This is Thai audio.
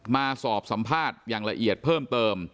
มาสอบสัมภาษณ์อย่างละเอียดเพิ่มเติม